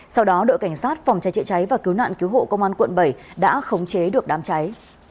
sau đó đội cảnh sát phòng cháy chữa cháy và cứu nạn cứu hộ công an quận bảy đã khống chế được đám cháy